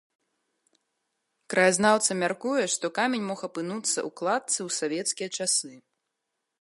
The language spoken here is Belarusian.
Краязнаўца мяркуе, што камень мог апынуцца ў кладцы ў савецкія часы.